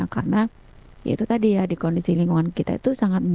karena itu tadi ya di kondisi lingkungan kita itu sangat menarik